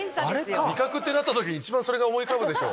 味覚ってなった時に一番それが思い浮かぶでしょ。